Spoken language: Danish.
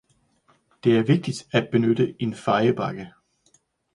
Det er vigtigt at benytte en fejebakke.